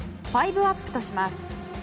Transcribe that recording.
５アップとします。